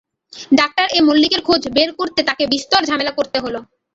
Doctor A মল্লিকের খোঁজ বের করতে তাঁকে বিস্তর ঝামেলা করতে হল।